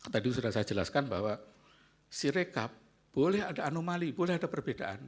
tadi sudah saya jelaskan bahwa si rekap boleh ada anomali boleh ada perbedaan